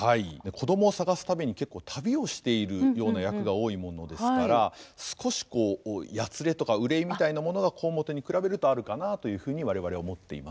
子どもを捜すために結構旅をしているような役が多いものですから少しこうやつれとか憂いみたいなものが小面に比べるとあるかなというふうに我々は思っています。